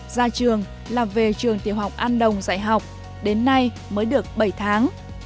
ra trường là về trường tiểu học an đồng dạy học đến nay mới được bảy tháng